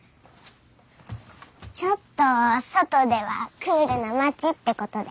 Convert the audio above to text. ちょっと外ではクールなまちってことで。